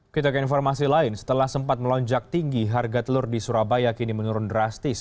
kita ke informasi lain setelah sempat melonjak tinggi harga telur di surabaya kini menurun drastis